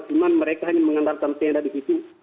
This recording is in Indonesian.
cuma mereka hanya mengandalkan tenda di situ